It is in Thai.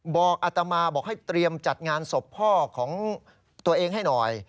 อัตมาบอกให้เตรียมจัดงานศพพ่อของตัวเองให้หน่อย